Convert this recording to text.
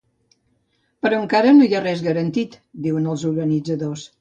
Però encara no hi ha res garantit, diuen els organitzadors.